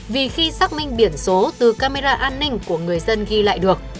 vì khi xác minh biển số từ camera an ninh của người dân ghi lại được